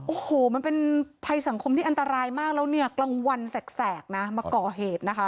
โอ้โหมันเป็นภัยสังคมที่อันตรายมากแล้วเนี่ยกลางวันแสกนะมาก่อเหตุนะคะ